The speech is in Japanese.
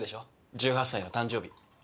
１８歳の誕生日。